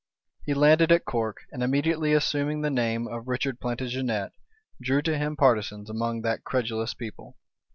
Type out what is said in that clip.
[*] He landed at Cork; and immediately assuming the name of Richard Plantagenet, drew to him partisans among that credulous people.